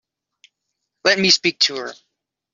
Let me speak to her.